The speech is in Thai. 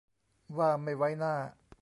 ว่าไม่ไว้หน้า